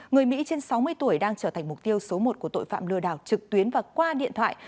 người mỹ trên sáu mươi tuổi đang trở thành mục tiêu số một của tội phạm lừa đảo trực tuyến và qua điện thoại